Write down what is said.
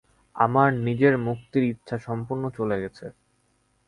আমার নিজের মুক্তির ইচ্ছা সম্পূর্ণ চলে গেছে।